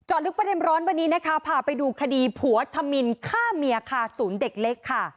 ลึกประเด็นร้อนวันนี้นะคะพาไปดูคดีผัวธมินฆ่าเมียค่ะศูนย์เด็กเล็กค่ะ